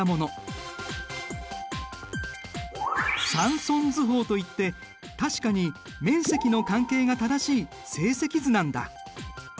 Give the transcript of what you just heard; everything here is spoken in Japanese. サンソン図法といって確かに面積の関係が正しい正積図なんだ。